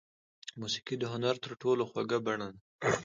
موسیقي د هنر تر ټولو خوږه بڼه ده.